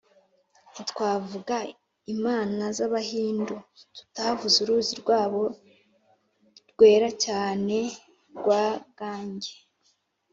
ntitwavuga imana z’abahindu tutavuze uruzi rwabo rwera cyane rwa gange.